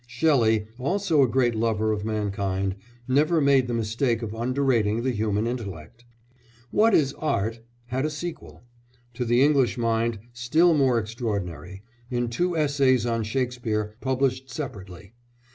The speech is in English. Shelley, also a great lover of mankind, never made the mistake of underrating the human intellect. What is Art? had a sequel, to the English mind still more extraordinary, in two essays on Shakespeare published separately.